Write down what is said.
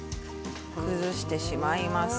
崩してしまいます。